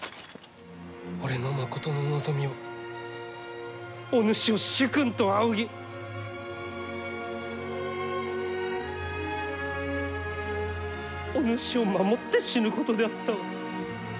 俺のまことの望みはお主を主君と仰ぎお主を守って死ぬことであったわ。